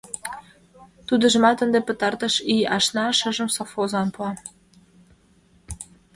Тудыжымат ынде пытартыш ий ашна, шыжым совхозлан пуа.